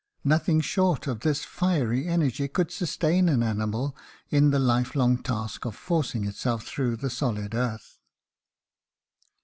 'Nothing short of this fiery energy could sustain an animal in the life long task of forcing itself through the solid earth.'"